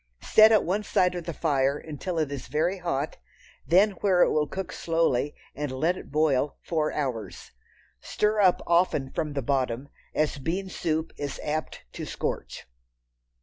Set at one side of the fire until it is very hot, then where it will cook slowly, and let it boil four hours. Stir up often from the bottom, as bean soup is apt to scorch.